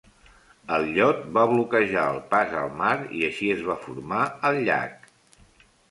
El llot va bloquejar el pas al mar i, així, es va formar el llac.